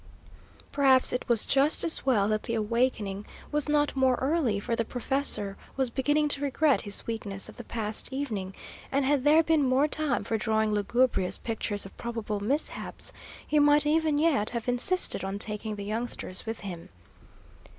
Perhaps it was just as well that the wakening was not more early, for the professor was beginning to regret his weakness of the past evening, and had there been more time for drawing lugubrious pictures of probable mishaps, he might even yet have insisted on taking the youngsters with him.